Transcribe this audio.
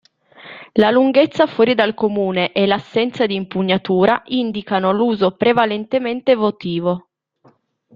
La lunghezza fuori dal comune e l'assenza di impugnatura indicano l'uso prevalentemente votivo.